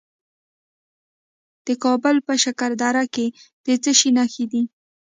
د کابل په شکردره کې د څه شي نښې دي؟